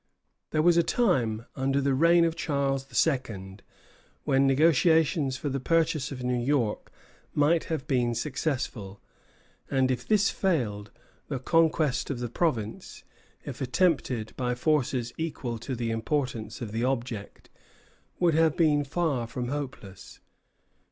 There was a time, under the reign of Charles II., when negotiation for the purchase of New York might have been successful; and if this failed, the conquest of the province, if attempted by forces equal to the importance of the object, would have been far from hopeless.